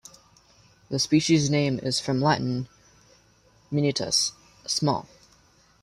The species name is from Latin "minutus", "small".